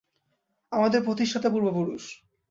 আমাদের প্রতিষ্ঠাতা পূর্বপুরুষ।